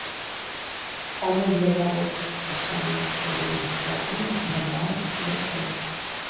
Таму для заводчыкаў становіцца вельмі складана гадаваць быкоў.